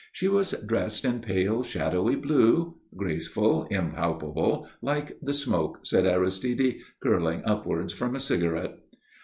She was dressed in pale, shadowy blue graceful, impalpable, like the smoke, said Aristide, curling upwards from a cigarette.